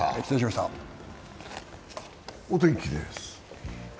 お天気です。